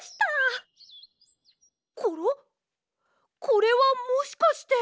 これはもしかして！